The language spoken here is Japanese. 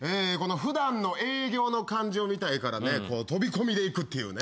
普段の営業の感じを見たいから飛び込みで行くっていうね。